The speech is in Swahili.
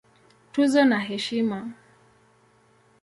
Tuzo na Heshima